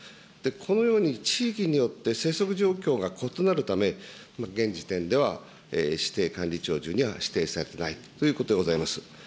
このように地域によって生息状況が異なるため、現時点では指定管理鳥獣には指定されてないということでございます。